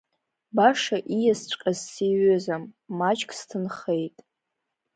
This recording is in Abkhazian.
Баша ииасҵәҟьаз сиҩызам, маҷк сҭынхеит…